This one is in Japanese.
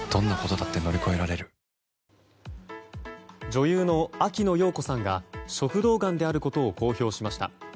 女優の秋野暢子さんが食道がんであることを公表しました。